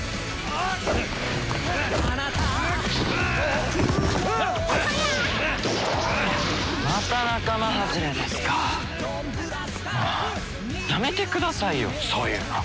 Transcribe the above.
もうやめてくださいよそういうの。